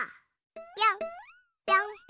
ぴょんぴょん。